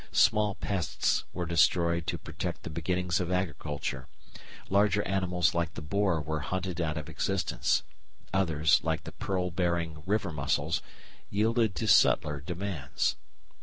Small pests were destroyed to protect the beginnings of agriculture; larger animals like the boar were hunted out of existence; others, like the pearl bearing river mussels, yielded to subtler demands.